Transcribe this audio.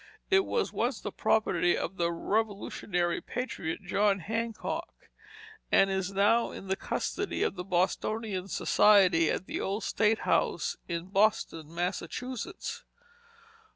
It was once the property of the Revolutionary patriot, John Hancock, and is now in the custody of the Bostonian Society, at the Old State House, in Boston, Massachusetts.